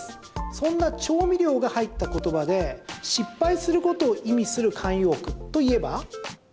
そんな調味料が入った言葉で失敗することを意味する慣用句といえば？